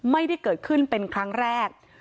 ไม่ได้เกิดขึ้นเป็นครั้งแรก